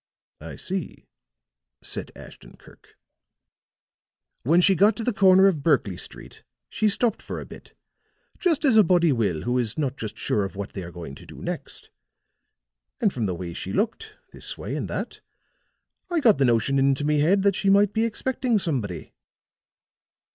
"I see," said Ashton Kirk. "When she got to the corner of Berkley Street, she stopped for a bit, just as a body will who is not just sure of what they are going to do next. And from the way she looked, this way and that, I got the notion into me head that she might be expecting somebody."